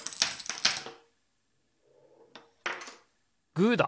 グーだ！